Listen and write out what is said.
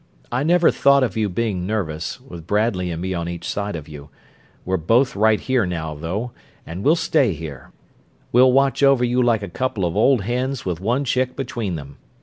"I never thought of you being nervous, with Bradley and me on each side of you. We're both right here now, though, and we'll stay here. We'll watch over you like a couple of old hens with one chick between them.